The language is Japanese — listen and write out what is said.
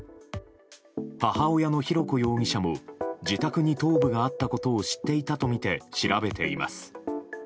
母親の浩子容疑者も自宅に頭部があったことを知っていたとみて調べています。